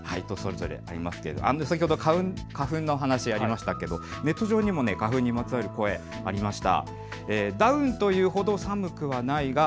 先ほど花粉の話、ありましたけれどもネット上にも花粉にまつわる声、ありました。